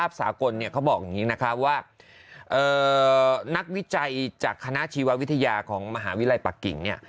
เพราะนักวิจัยจากคณะชีววิทยาของมหาวิลัยปะกิ่งเนี่ย